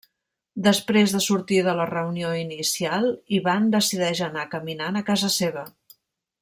Després de sortir de la reunió inicial, Ivan decideix anar caminant a casa seva.